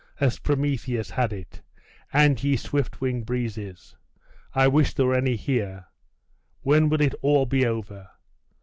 as Prometheus has it, and ye swift winged breezes (I wish there were any here), when will it all be over?